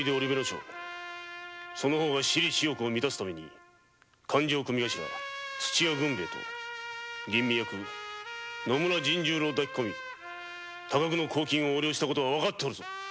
正その方が私利私欲を満たすために勘定組頭土屋郡兵衛と吟味役野村陣十郎を抱き込み多額の公金を横領したこと分かっておるぞ！